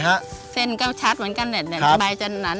ประสิทธิ์มันจะนะกว่านี่หรอครับ